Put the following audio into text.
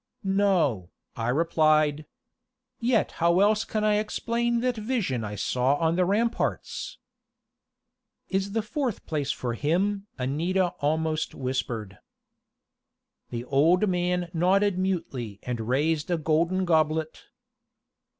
"No," I replied. "Yet how else can I explain that vision I saw on the ramparts?" "Is the fourth place for him?" Anita almost whispered. The old man nodded mutely and raised a golden goblet.